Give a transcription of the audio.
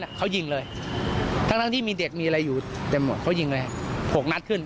เขายิงเลยทั้งที่มีเด็กมีอะไรอยู่เต็มหมดเขายิงเลยหกนัดขึ้น